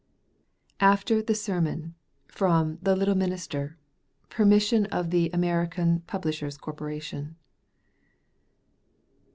AFTER THE SERMON From 'The Little Minister': by permission of the American Publishers' Corporation.